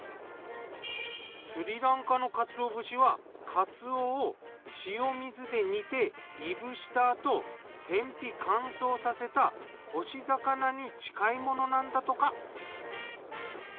スリランカのカツオ節はカツオを塩水で煮ていぶした後天日乾燥させた干し魚に近いものなんだとか。